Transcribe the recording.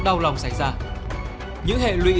đau lòng xảy ra những hệ lụy